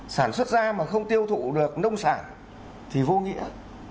sản xuất ra mà không tiêu thụ được nông sản thì vô nghĩa